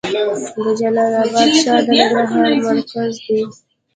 د جلال اباد ښار د ننګرهار مرکز دی